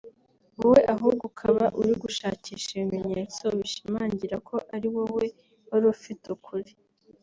wowe ahubwo ukaba uri gushakisha ibimenyetso bishimangira ko ari wowe warufite ukuri